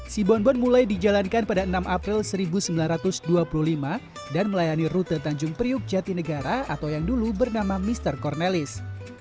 sibonbon mulai dijalankan pada enam april seribu sembilan ratus dua puluh lima dan melayani rute tanjung priuk jatinegara atau yang dulu bernama mr cornelis